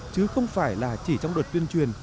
chứ không phải là chỉ trong đợt tuyên truyền